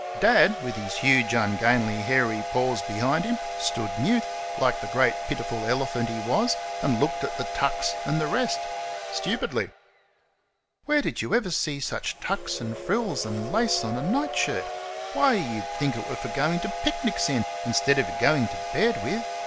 Dad, with his huge, ungainly, hairy paws behind him, stood mute, like the great pitiful elephant he was, and looked at the tucks and the rest stupidly. "Where before did y'ever see such tucks and frills and lace on a night shirt? Why, you'd think 't were for goin' to picnics in, 'stead o' goin' to bed with.